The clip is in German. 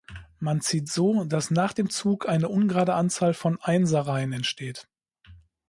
Man zieht so, dass nach dem Zug eine ungerade Anzahl von Einser-Reihen entsteht.